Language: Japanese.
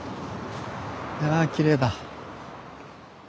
やあきれいだ。